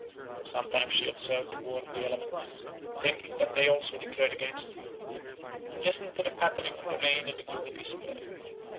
Sometimes she observed the war of elements, thinking that they also declared against her, and listened to the pattering of the rain in gloomy despair.